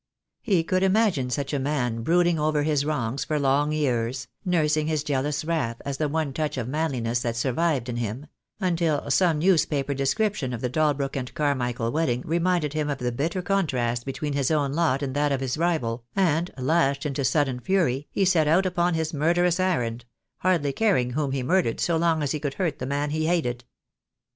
He could imagine such a man brooding over his wrongs for long years, nursing his jealous wrath as the one touch of manliness that survived in him — until some newspaper description of the Dalbrook and Carmichael Avedding reminded him of the bitter contrast between his own lot and that of his rival, and, lashed into sudden fury, he set out upon his murderous errand, hardly caring whom he murdered so long as he could hurt the man he hated.